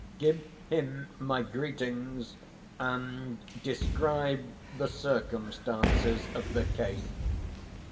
Give him my greetings and describe the circumstances of the case.